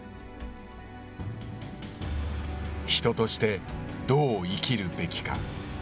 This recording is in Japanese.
人としてどう生きるべきか。